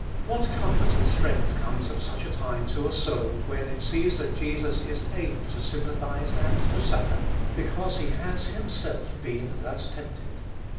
What comfort and strength comes at such a time to a soul, when it sees that Jesus is able to sympathise and to succour, because He has Himself been thus tempted.